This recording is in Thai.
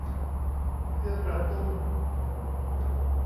เพื่อกระตุ้น